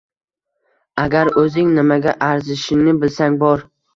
Agar o’zing nimaga arzishingni bilsang bor.